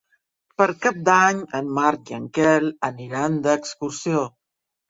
Per Cap d'Any en Marc i en Quel aniran d'excursió.